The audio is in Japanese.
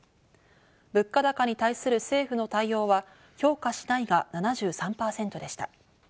物価高に対する政府の対応は評価しないが７３％でした。